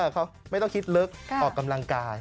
เขาไม่ต้องคิดลึกออกกำลังกาย